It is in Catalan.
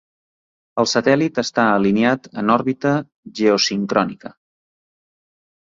El satèl·lit està alineat en òrbita geosincrònica.